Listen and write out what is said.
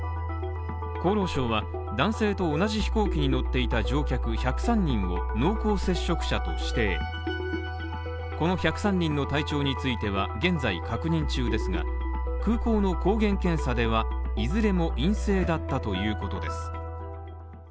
厚労省は男性と同じ飛行機に乗っていた乗客１０３人を濃厚接触者と指定、この１０３人の体調については現在確認中ですが、空港の抗原検査ではいずれも陰性だったということです。